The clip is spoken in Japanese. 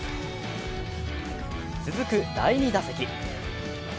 続く第２打席。